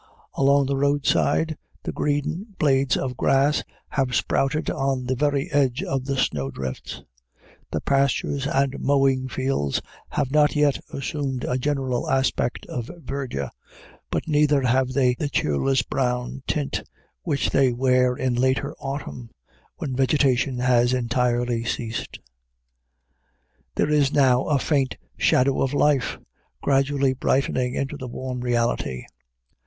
Along the roadside the green blades of grass have sprouted on the very edge of the snowdrifts. The pastures and mowing fields have not yet assumed a general aspect of verdure, but neither have they the cheerless brown tint which they wear in later autumn, when vegetation has entirely ceased; there is now a faint shadow of life, gradually brightening into the warm reality.